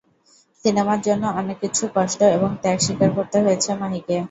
সিনেমার জন্য অনেক কিছু কষ্ট এবং ত্যাগ স্বীকার করতে হয়েছে মাহিকে।